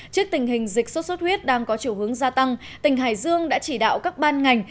trước tình hình dịch sốt xuất huyết đang có chiều hướng gia tăng tỉnh hải dương đã chỉ đạo các ban ngành